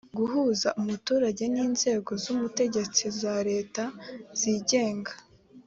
guhuza umuturage n’inzego z’ubutegetsi za leta n’izigenga